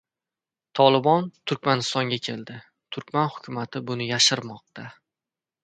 "Tolibon" Turkmanistonga keldi. Turkman hukumati buni yashirmoqda